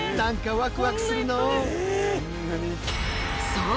そう！